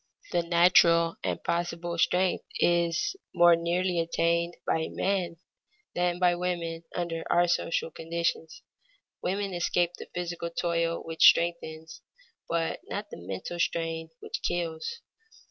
The natural and possible strength is more nearly attained by men than by women under our social conditions. Women escape the physical toil which strengthens, but not the mental strain which kills.